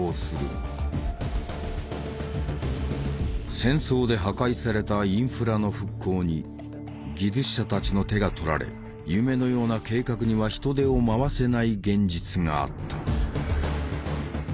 戦争で破壊されたインフラの復興に技術者たちの手がとられ夢のような計画には人手をまわせない現実があった。